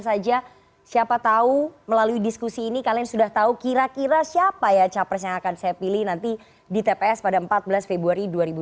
saja siapa tahu melalui diskusi ini kalian sudah tahu kira kira siapa ya capres yang akan saya pilih nanti di tps pada empat belas februari dua ribu dua puluh